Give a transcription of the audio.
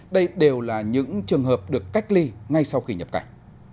đây đều là những trường hợp được cách ly ngay sau khi nhập cảnh